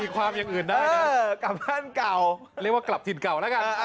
กลับบ้านเก่าเรียกว่ากลับถิ่นเก่าละกัน